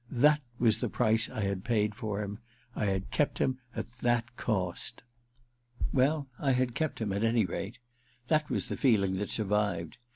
That was the price I had p^d for him — I had . kept him at that cost !* Well — I had kept him, at any rate. That was the feeling that survived.